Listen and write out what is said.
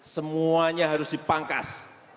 semuanya harus dipangkas